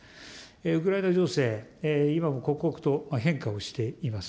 ウクライナ情勢、今も刻々と変化をしています。